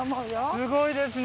すごいですね。